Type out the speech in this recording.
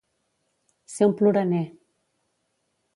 Ser un ploraner.